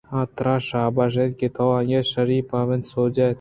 ترا شاباش اِنت کہ تو آئی ءَ شرّیں پنت ءُسوج دئے